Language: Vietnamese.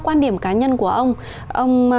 quan điểm cá nhân của ông ông